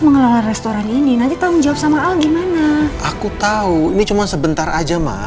mengelola restoran ini nanti tanggung jawab sama al gimana aku tahu ini cuma sebentar aja mah